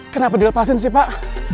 kenapa dilepasin sih pak